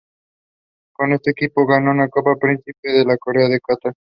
Con este equipo, ganó una Copa Príncipe de la Corona de Catar.